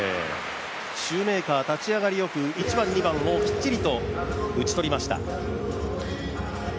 シューメーカー立ち上がりよく、１番、２番をきっちりと打ち取りました。